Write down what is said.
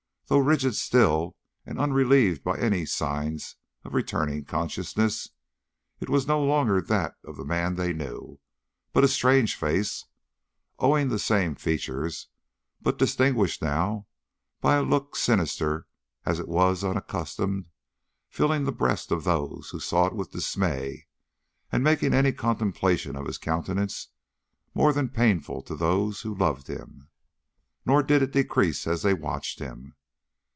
Though rigid still, and unrelieved by any signs of returning consciousness, it was no longer that of the man they knew, but a strange face, owning the same features, but distinguished now by a look sinister as it was unaccustomed, filling the breasts of those who saw it with dismay, and making any contemplation of his countenance more than painful to those who loved him. Nor did it decrease as they watched him.